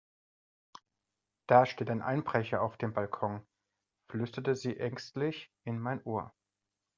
Da steht ein Einbrecher auf dem Balkon, flüsterte sie ängstlich in mein Ohr.